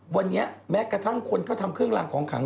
วันนี้แม้กระทั่งคนเขาทำเครื่องรางของขัง